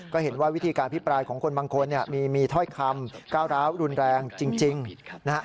ก็เห็นว่าวิธีการพิปรายของคนบางคนเนี่ยมีถ้อยคำก้าวร้าวรุนแรงจริงนะฮะ